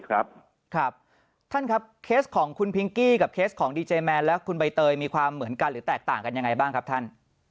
ครับครับท่านครับเคสของคุณพิงกี้กับเคสของดีเจแมนและคุณใบเตยมีความเหมือนกันหรือแตกต่างกันยังไงบ้างครับท่าน